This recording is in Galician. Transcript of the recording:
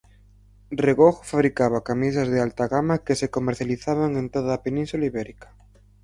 Regojo Fabricaba camisas de alta gama que se comercializaban en toda a Península Ibérica.